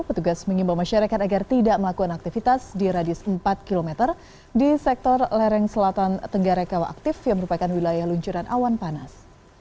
petugas mengimbau masyarakat agar tidak melakukan aktivitas di radius empat km di sektor lereng selatan tenggara kawa aktif yang merupakan wilayah luncuran awan panas